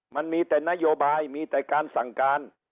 มันมีแต่นโยบายมีแต่การสั่งการ